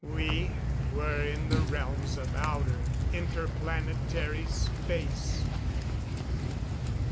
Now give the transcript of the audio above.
We were in the realms of outer, inter planetary space!